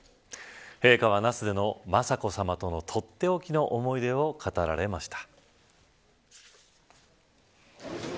陛下は那須での雅子さまとのとっておきの思い出を語られました。